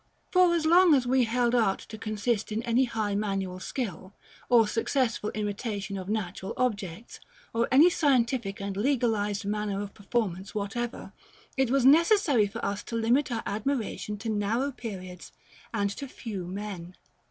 For, as long as we held art to consist in any high manual skill, or successful imitation of natural objects, or any scientific and legalized manner of performance whatever, it was necessary for us to limit our admiration to narrow periods and to few men.